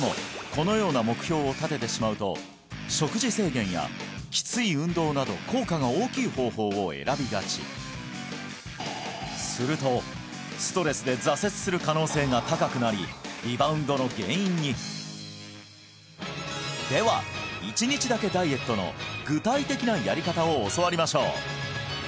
このような目標を立ててしまうと食事制限やきつい運動などするとストレスで挫折する可能性が高くなりリバウンドの原因に！では１日だけダイエットの具体的なやり方を教わりましょう